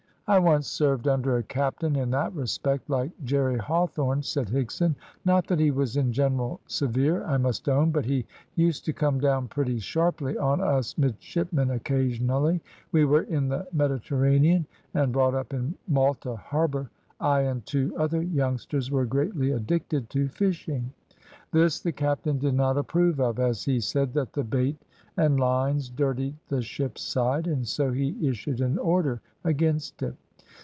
"I once served under a captain in that respect like Jerry Hawthorne," said Higson. "Not that he was in general severe, I must own; but he used to come down pretty sharply on us midshipmen occasionally. We were in the Mediterranean, and brought up in Malta harbour. I and two other youngsters were greatly addicted to fishing. This the captain did not approve of, as he said that the bait and lines dirtied the ship's side, and so he issued an order against it.